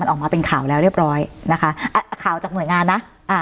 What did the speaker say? ออกมาเป็นข่าวแล้วเรียบร้อยนะคะอ่าข่าวจากหน่วยงานนะอ่า